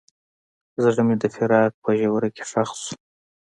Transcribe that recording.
زړه مې د فراق په ژوره کې ښخ شو.